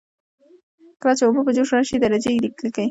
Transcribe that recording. کله چې اوبه په جوش راشي درجه یې ولیکئ.